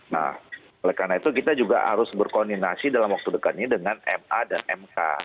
nah oleh karena itu kita juga harus berkoordinasi dalam waktu dekat ini dengan ma dan mk